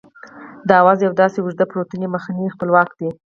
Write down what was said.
دا آواز یو داسې اوږد پورتنی مخنی خپلواک دی